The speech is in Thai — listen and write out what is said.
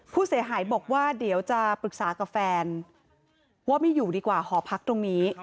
ผู้เสียหายบอกว่าเดี๋ยวจะปรึกษากับแฟนว่าไม่อยู่ดีกว่าหอพักตรงนี้